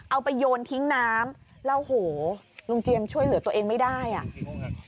เอาไปโยนทิ้งน้ำแล้วโหลุงเจียมช่วยเหลือตัวเองไม่ได้อ่ะ